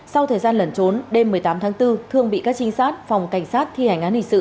sau thời gian lẩn trốn đêm một mươi tám tháng bốn thương bị các trinh sát phòng cảnh sát thi hành án hình sự